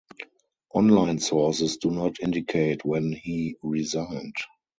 Online sources do not indicate when he resigned.